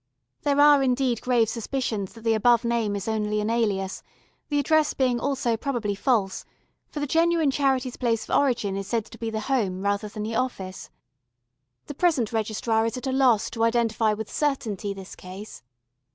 There are indeed grave suspicions that the above name is only an alias, the address being also probably false, for the genuine Charity's place of origin is said to be the home rather than the office. The present registrar is at a loss to identify with certainty this case.